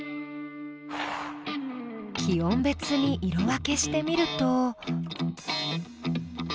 気温別に色分けしてみると。